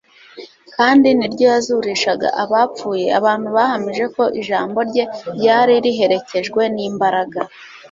kandi ni ryo yazurishaga abapfuye; abantu bahamije ko ijambo rye ryari riherekejwe n'imbaraga.